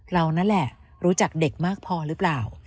เรานั่นแหละรู้จักเด็กมากพอหรือเปล่า